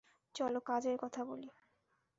চলো কাজের কথা বলি।